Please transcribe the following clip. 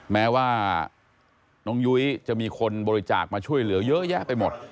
แม้ว่าน้องยุ้ยจะมีคนบริจาคมาช่วยเหลือเยอะแยะไปหมด